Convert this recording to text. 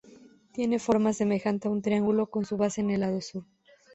Tiene forma semejante a un triángulo, con su base en el lado sur.